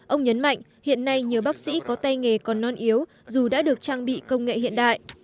ông nhấn mạnh hiện nay nhiều bác sĩ có tay nghề còn non yếu dù đã được trang bị công nghệ hiện đại